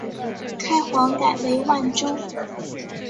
开皇改为万州。